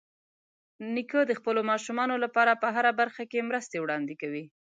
نیکه د خپلو ماشومانو لپاره په هره برخه کې مرستې وړاندې کوي.